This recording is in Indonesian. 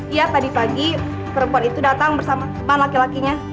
iya tadi pagi perempuan itu datang bersama teman laki lakinya